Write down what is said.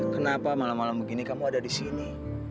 kenapa malam malam begini kamu ada di sini